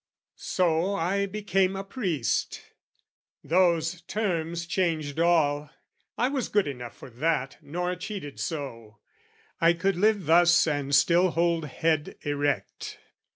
"' So I became a priest: those terms changed all, I was good enough for that, nor cheated so; I could live thus and still hold head erect.